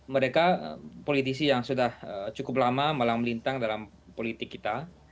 mereka politisi yang sudah cukup lama malang melintang dalam politik kita